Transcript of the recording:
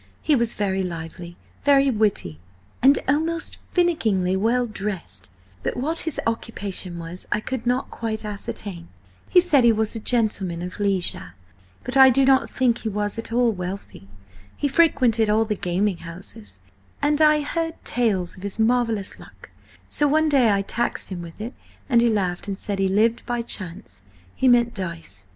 He was very lively, very witty, and almost finickingly well dressed, but what his occupation was I could not quite ascertain. He said he was a gentleman of leisure, but I do not think he was at all wealthy. He frequented all the gaming houses, and I heard tales of his marvellous luck, so one day I taxed him with it, and he laughed and said he lived by Chance–he meant dice.